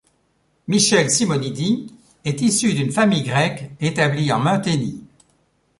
Michel Simonidy est issu d'une famille grecque établie en Munténie.